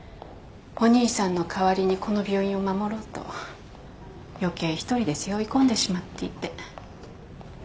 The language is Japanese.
お兄さんの代わりにこの病院を守ろうと余計一人で背負い込んでしまっていて。